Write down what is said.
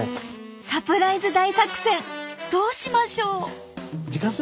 サプライズ大作戦どうしましょう？